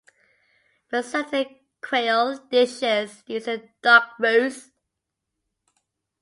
But certain Creole dishes use a dark roux.